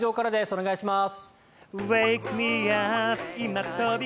お願いします。